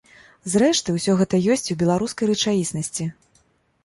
Зрэшты, усё гэта ёсць і ў беларускай рэчаіснасці.